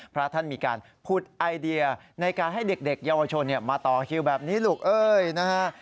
พระท่านมีการผุดไอเดียในการให้เด็กเยาวชนมาต่อคิวแบบนี้ลูกเอ้ยนะฮะ